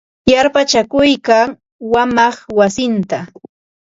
Yarpachakuykan wamaq wasinta.